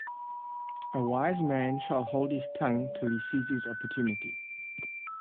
A wise man shall hold his tongue till he sees his opportunity.